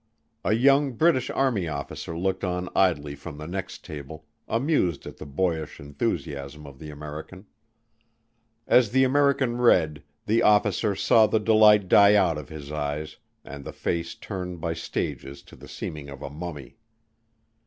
A young British army officer looked on idly from the next table, amused at the boyish enthusiasm of the American. As the American read the officer saw the delight die out of his eyes and the face turn by stages to the seeming of a mummy.